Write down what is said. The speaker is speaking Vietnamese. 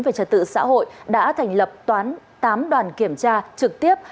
về trật tự xã hội đã thành lập tám đoàn kiểm tra trực tiếp